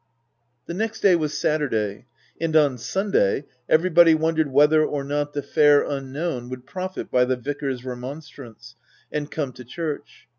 The next day was Saturday ; and, on Sun day, everybody wondered whether or not the fair unknown would ,rofit by the vicar's re monstrance, and come to church.